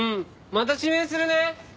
また指名するね。